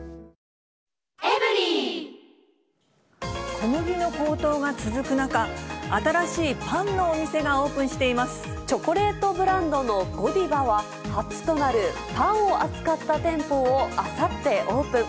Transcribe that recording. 小麦の高騰が続く中、新しいチョコレートブランドのゴディバは、初となるパンを扱った店舗をあさってオープン。